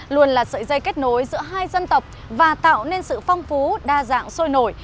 luôn là sợi dây kết nối giữa hai dân tộc và tạo nên sự phong phú đa dạng sôi nổi